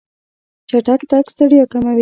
چټک تګ ستړیا کموي.